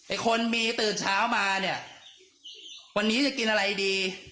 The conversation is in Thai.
คนมีตื่นเช้ามาเนี่ยวันนี้จะกินอะไรดี